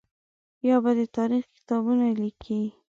یا به د تاریخ کتابونه لیکي.